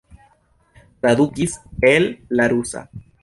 Tradukis el la rusa.